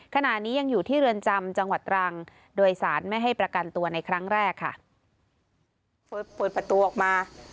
ขณะนี้ยังอยู่ที่เรือนจำจังหวัดตรังโดยสารไม่ให้ประกันตัวในครั้งแรกค่ะ